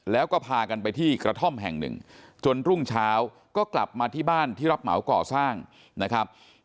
แล้วก็พากันไปที่กระท่อมแห่งหนึ่งจนรุ่งเช้าก็กลับมาที่บ้านที่รับเหมาก่อสร้างนะครับ